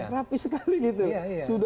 rapih sekali gitu